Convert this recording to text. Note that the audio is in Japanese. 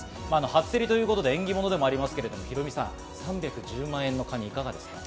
初競りということで縁起物ですけれど、ヒロミさん、３１０万円のカニいかがですか？